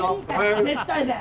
絶対だよ！